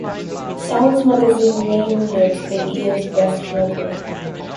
"Sounds" magazine named it the year's best record.